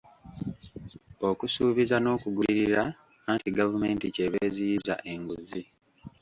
Okusuubiza n'okugulirira anti gavumenti ky'eva eziyiza enguzi.